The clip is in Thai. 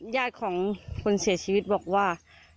ญาติของคนเสียชีวิตบอกว่า